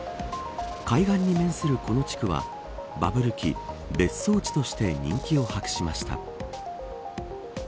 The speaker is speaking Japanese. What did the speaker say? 海岸に面するこの地区はバブル期別荘地として人気を博しました。